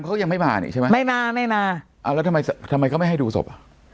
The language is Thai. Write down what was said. เขายังไม่มานี่ใช่ไหมไม่มาไม่มาเอาแล้วทำไมทำไมเขาไม่ให้ดูศพอ่ะ